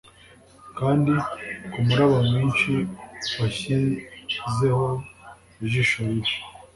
kandi kumuraba mwinshi washyizeho ijisho ribi